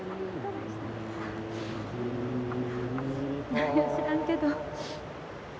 何や知らんけど。